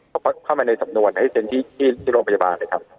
ก็เข้ามาในสำนวนให้เซ็นที่โรงพยาบาลเลยครับ